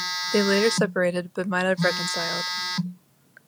They later separated, but might have reconciled.